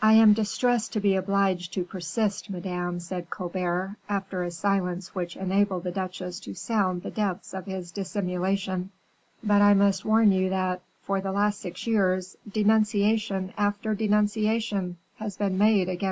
"I am distressed to be obliged to persist, madame," said Colbert, after a silence which enabled the duchesse to sound the depths of his dissimulation, "but I must warn you that, for the last six years, denunciation after denunciation has been made against M.